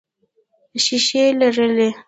ښیښې لرلې.